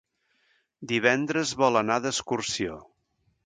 Divendres vol anar d'excursió.